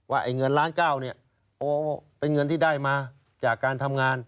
ไอ้เงินล้านเก้าเนี่ยโอ้เป็นเงินที่ได้มาจากการทำงาน